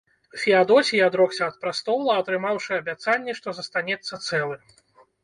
Феадосій адрокся ад прастола, атрымаўшы абяцанне, што застанецца цэлы.